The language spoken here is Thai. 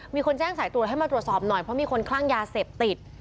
มีคนแจ้งสายตรวจให้มาตรวจสอบหน่อยเพราะมีคนคลั่งยาเสพติด